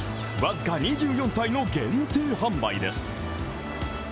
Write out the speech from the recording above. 僅か２４体の限定販売です。